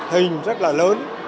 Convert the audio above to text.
hình rất là lớn